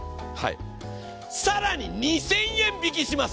更に２０００円引きします。